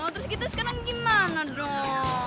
terus kita sekarang gimana drop